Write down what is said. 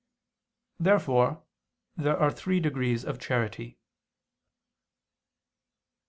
Therefore there are three degrees of charity.